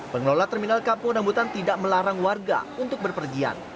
pengelola terminal kampung rambutan tidak melarang warga untuk berpergian